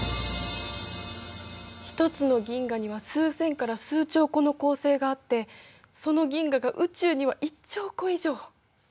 １つの銀河には数千から数兆個の恒星があってその銀河が宇宙には１兆個以上！